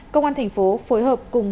công an thành phố phối hợp cùng